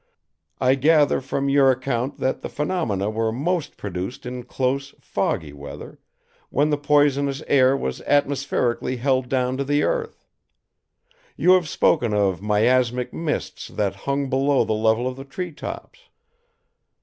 I gather from your account that the phenomena were most pronounced in close, foggy weather, when the poisonous air was atmospherically held down to the earth. You have spoken of miasmic mists that hung below the level of the tree tops.